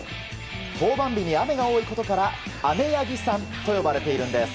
登板日に雨が多いことから雨柳さんと呼ばれているんです。